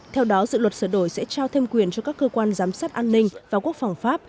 theo đó dự luật sửa đổi sẽ trao thêm quyền cho các cơ quan giám sát an ninh và quốc phòng pháp